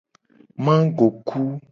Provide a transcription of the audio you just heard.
Magoku.